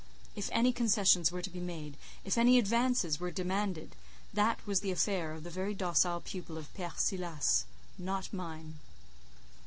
If any concessions were to be made—if any advances were demanded—that was the affair of the very docile pupil of Père Silas, not mine.